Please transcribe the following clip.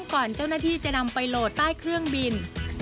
ก่อนเจ้าหน้าที่จะนำไปโหลดใต้เครื่องบิน